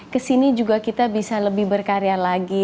kesini juga kita bisa lebih berkarya lagi